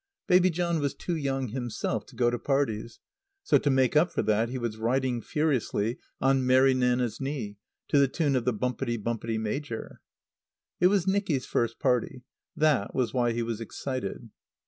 Baby John was too young himself to go to parties; so to make up for that he was riding furiously on Mary Nanna's knee to the tune of the "Bumpetty Bumpetty Major!" It was Nicky's first party. That was why he was excited.